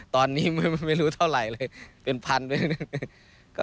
ตอนนี้ไม่รู้เท่าไหร่เลยเป็นพันด้วยนะ